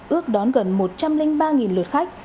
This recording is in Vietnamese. ước đón gần một trăm linh ba lượt khách